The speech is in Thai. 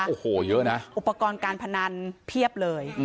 โอ้โหเยอะนะอุปกรณ์การพนันเพียบเลย